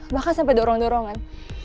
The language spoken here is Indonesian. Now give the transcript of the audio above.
bahkan sampai dorong dorongan